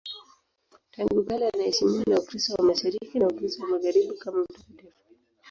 Tangu kale anaheshimiwa na Ukristo wa Mashariki na Ukristo wa Magharibi kama mtakatifu.